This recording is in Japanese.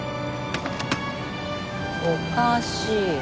おかしい。